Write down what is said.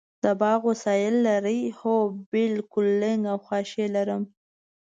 د باغ وسایل لرئ؟ هو، بیل، کلنګ او خاښۍ لرم